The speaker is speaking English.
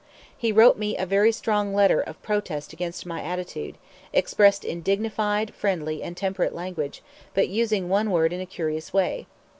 He wrote me a very strong letter of protest against my attitude, expressed in dignified, friendly, and temperate language, but using one word in a curious way.